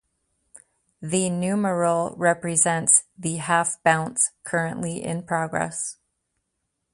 The numeral represents the half-bounce currently in progress.